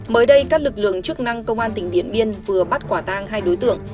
mới đây các lực lượng chức năng công an tỉnh điện biên vừa bắt quả tang hai đối tượng